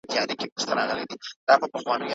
ولي کوښښ کوونکی د هوښیار انسان په پرتله خنډونه ماتوي؟